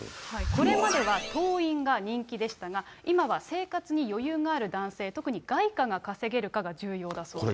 これまでは党員が人気でしたが、今は生活に余裕がある男性、特に外貨が稼げるかが重要だそうです。